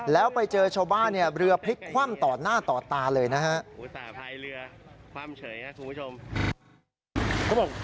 แล้วไปเจอชาวบ้านเนี่ยเรือพลิกคว่ำต่อหน้าต่อตาเลยนะฮะ